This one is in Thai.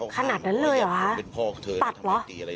ขนาดนั้นเลยเหรอคะตัดเหรอ